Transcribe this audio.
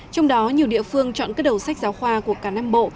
trong đó nhiều địa phương chọn các đầu sách giáo khoa của cả năm bộ